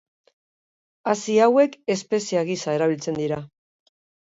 Hazi hauek espezia gisa erabiltzen dira.